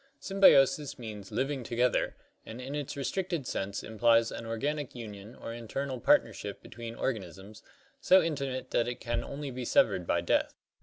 Symbiosis means living together and in its restricted sense implies an organic union or internal partnership between organisms, so intimate that it can only be severed by death.